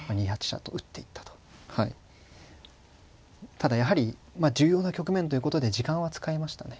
ただやはり重要な局面ということで時間は使いましたね。